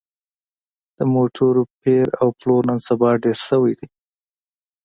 د موټرو پېر او پلور نن سبا ډېر شوی دی